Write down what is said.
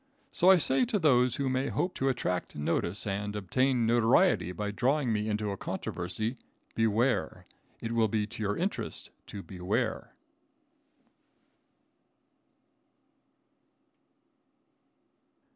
So I say to those who may hope to attract notice and obtain notoriety by drawing me into a controversy, beware. It will be to your interest to beware!